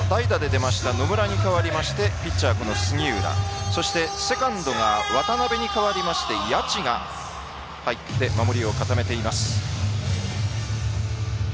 杉浦は先ほどは代打で出ました野村に代わってピッチャー杉浦セカンドが渡邉に代わりまして谷内が入って守りを固めています。